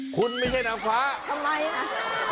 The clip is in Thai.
คุณไม่ใช่นางฟ้าทำไมอ่ะ